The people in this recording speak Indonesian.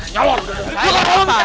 nusur ke nyawar